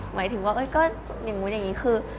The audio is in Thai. หมายถึงว่าก็หนิมมุติอย่างนี้คือ